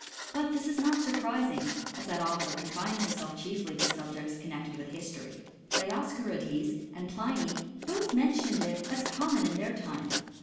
But this is not surprising, as that author confines him self chiefly to subjects connected with history, Dios eorides and Pliny both mention it as common in their ' time.